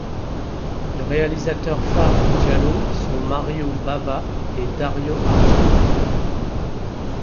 Les réalisateurs phares du giallo sont Mario Bava et Dario Argento.